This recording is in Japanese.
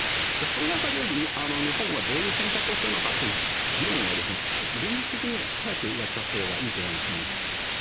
その中で、日本はどういう選択をするのかという議論は現実的に早くやったほうがいいと思いますね。